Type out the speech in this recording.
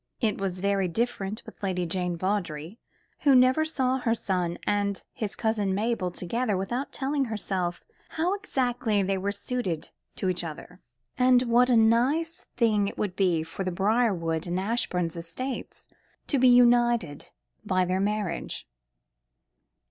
It was very different with Lady Jane Vawdrey, who never saw her son and his cousin Mabel together without telling herself how exactly they were suited to each other, and what a nice thing it would be for the Briarwood and Ashbourne estates to be united by their marriage.